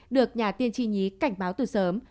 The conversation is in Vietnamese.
được nhà tiên tri nhí cảnh báo từ sớm